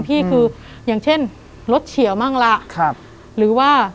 พี่คืออย่างเช่นรถเฉียวมั่งล่ะครับหรือว่า